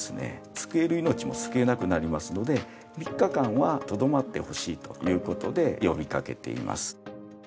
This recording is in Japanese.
救える命も救えなくなりますので３日間は留まってほしいという事で呼び掛けています。